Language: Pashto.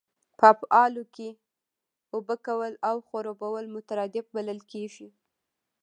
په افعالو کښي اوبه کول او خړوبول مترادف بلل کیږي.